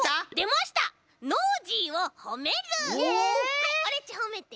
はいオレっちほめて。